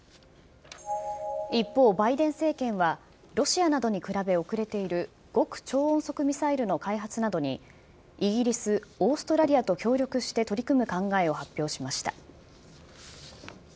一方、バイデン政権はロシアなどに比べ遅れている極超音速ミサイルの開発などにイギリス、オーストラリアと協力して取り組む考えを発表しました。